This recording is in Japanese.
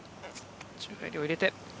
宙返りを入れて。